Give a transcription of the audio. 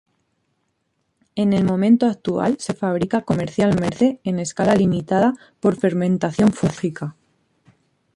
En el momento actual se fabrica comercialmente en escala limitada por fermentación fúngica.